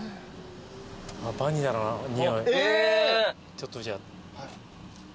ちょっとじゃあ。